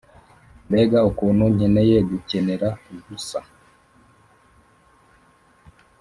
mbega ukuntu nkeneye gukenera ubusa,